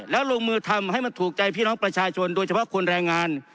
แล้วลงมือทำให้มันถูกใจพี่น้องประชาชนโดยเฉพาะคนแรงงาน